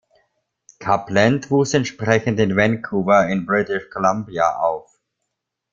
Coupland wuchs entsprechend in Vancouver in British Columbia auf.